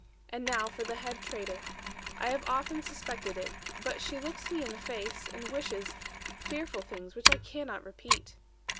And now for the head traitor. I have often suspected it: but she looks me in the face, and wishes fearful things, which I cannot repeat.'